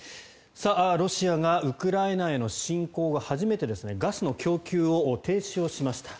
ロシアがウクライナへの侵攻後初めてガスの供給を停止をしました。